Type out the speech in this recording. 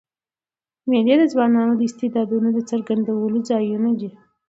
مېلې د ځوانانو د استعدادو د څرګندولو ځایونه دي.